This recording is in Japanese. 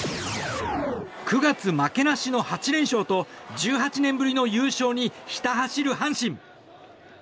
９月負けなしの８連勝と１８年ぶりの優勝にひた走る阪神。